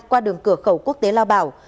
qua đường cửa khẩu quốc tế lao bảo